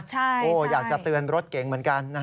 ใช่อยากจะเตือนรถเก๋งเหมือนกัน